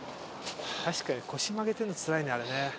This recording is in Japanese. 確かに腰曲げてんのつらいねあれね。